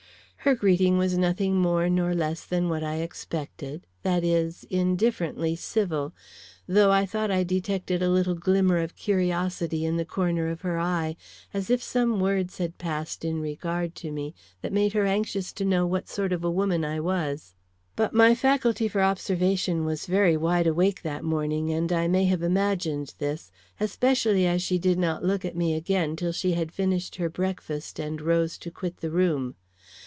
Her greeting was nothing more nor less than what I expected that is, indifferently civil, though I thought I detected a little glimmer of curiosity in the corner of her eye, as if some words had passed in regard to me that made her anxious to know what sort of a woman I was. But my faculty for observation was very wide awake that morning, and I may have imagined this, especially as she did not look at me again till she had finished her breakfast and rose to quit the room.